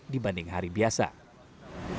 di bandingkan dengan jalan di jalan jalan jalan jalan